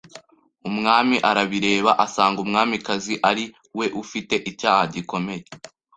Umwami arabireba asanga umwamikazi ari we ufite icyaha gikomeye.